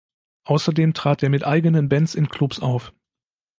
Außerdem trat er mit eigenen Bands in Clubs auf.